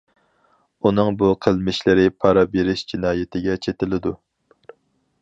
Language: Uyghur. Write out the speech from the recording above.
ئۇنىڭ بۇ قىلمىشلىرى پارا بېرىش جىنايىتىگە چېتىلىدۇ.